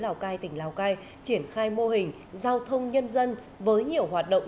lào cai tỉnh lào cai triển khai mô hình giao thông nhân dân với nhiều hoạt động